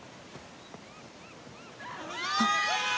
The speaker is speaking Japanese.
あっ。